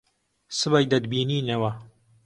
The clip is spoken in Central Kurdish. سبەی دەتبینینەوە.